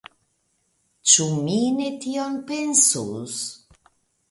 Ĉu mi ne tion pensus!